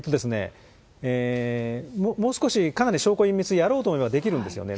もう少し、かなり証拠隠滅、やろうと思えばできるんですよね。